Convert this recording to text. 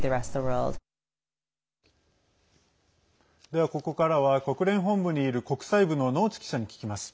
ではここからは国連本部にいる国際部の能智記者に聞きます。